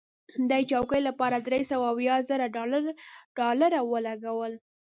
دې چوکۍ لپاره درې سوه اویا زره ډالره ولګول.